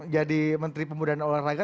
jadi menteri pemuda dan olahraga